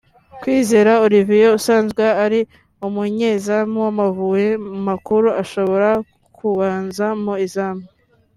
Kwizera Olivier usanzwe ari umunyezamu w’Amavubi makuru ashobora kubanza mu izamu